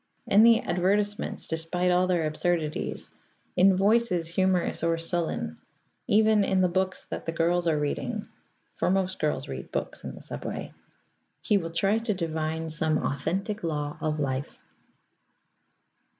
In the advertisements, despite all their absurdities; in voices humorous or sullen; even in the books that the girls are reading (for most girls read books in the subway) he will try to divine some authentic law of life.